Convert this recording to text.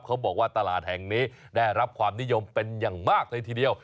เขาบอกว่าตลาดแห่งนี้ได้รับความนิยมเป็นอย่างมากเลยทีเดียว